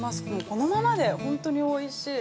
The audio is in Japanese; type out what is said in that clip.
このままで本当においしい。